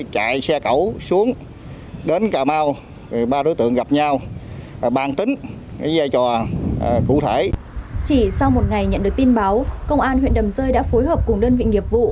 chỉ sau một ngày nhận được tin báo công an huyện đầm rơi đã phối hợp cùng đơn vị nghiệp vụ